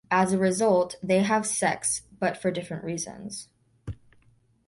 As a result, they have sex, but for different reasons.